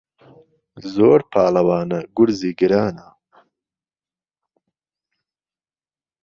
زۆر پاڵهوانه گورزی گرانه